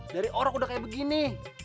dari orang udah kayak begini